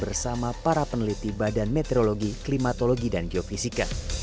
bersama para peneliti badan meteorologi klimatologi dan geofisika